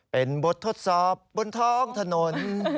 เป็นบททดสอบบนท้องถนน